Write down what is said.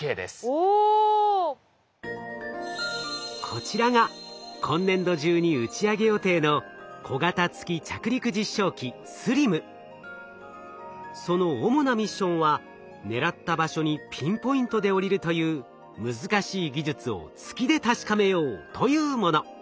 こちらが今年度中に打ち上げ予定のその主なミッションは狙った場所にピンポイントで降りるという難しい技術を月で確かめようというもの。